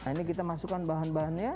ini kita masukkan bahan bahannya